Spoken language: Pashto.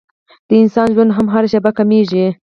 د انسان ژوند هم هره شېبه کمېږي.